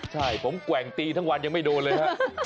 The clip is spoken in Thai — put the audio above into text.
ใช่ผมแกว่งตีทั้งวันยังไม่โดนเลยฮะ